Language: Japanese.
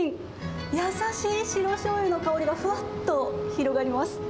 優しい白しょうゆの香りがふわっと広がります。